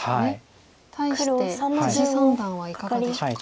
対して三段はいかがでしょうか？